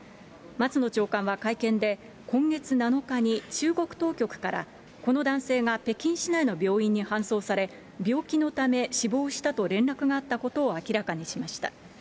松野長官は会見で、今月７日に中国当局からこの男性が北京市内の病院に搬送され、病気のため死亡したと連絡があったことを明らかにしました。